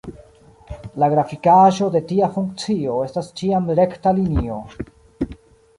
La grafikaĵo de tia funkcio estas ĉiam rekta linio.